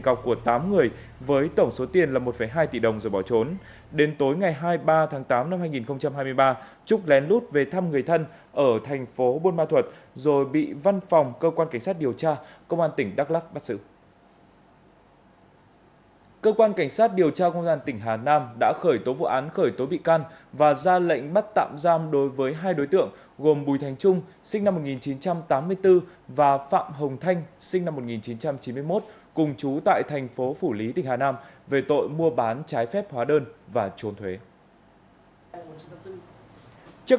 cơ quan cảnh sát điều tra công an tỉnh đắk lắc trú tại xã cư e bu thành phố buôn ma thuật tỉnh đắk lắc để điều tra về hành vi lừa đảo chiếm đoạt tài sản